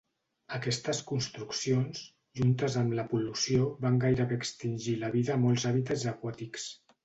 Aquestes construccions, juntes amb la pol·lució van gairebé extingir la vida a molts hàbitats aquàtics.